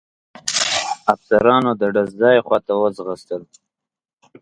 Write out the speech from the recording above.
افسرانو د ډز ځای خواته وځغستل.